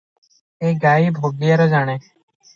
ଏ ଗାଈ ଭଗିଆର ଜାଣେ ।